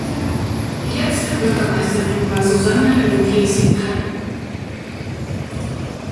Die letzte Bürgermeisterin war Susanne Lucchesi Palli.